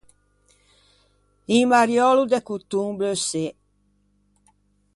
Un mariölo de coton bleuçê.